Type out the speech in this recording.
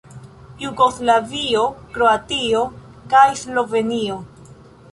Jugoslavio, Kroatio kaj Slovenio.